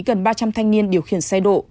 gần ba trăm linh thanh niên điều khiển xe độ